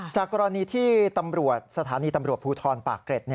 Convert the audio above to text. จากกรณีที่ตำรวจสถานีตำรวจภูทรปากเกร็ด